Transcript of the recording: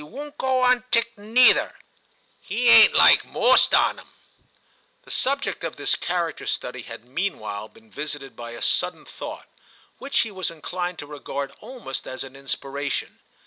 won't go on tick neither; 'e ain*t like most on *em/ The subject of this character study had meanwhile been visited by a sudden thought, which he was inclined to regard almost as an inspiration.